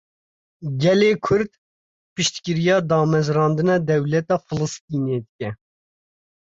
Gelê Kurd, piştgiriya damezrandina dewleta Filistînê dike